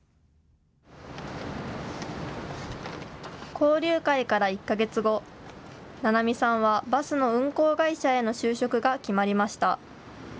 交流会から１か月後、ななみさんはバスの運行会社への就職が決まりました。